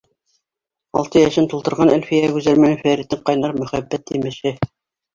Алты йәшен тултырған Әлфиә — Гүзәл менән Фәриттең ҡайнар мөхәббәт емеше.